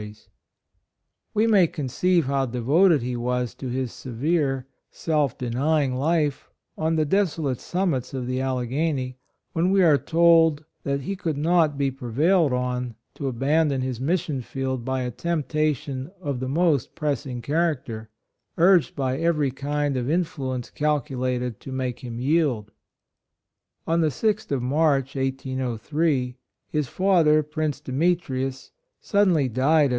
60 HIS COLONY, We may conceive how devoted he was to his severe self denying life on the desolate summits of the Alleghany, when we are told, that he could not be prevailed on to abandon his Mission field by a temptation of the most pressing character, urged by every kind of influence calculated to make him yield. On the 6th of March, 1803, his father, Prince Demetrius, suddenly died at